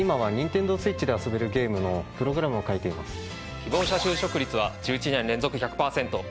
希望者就職率は１１年連続１００パーセント。